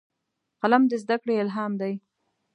قلم د زدهکړې الهام دی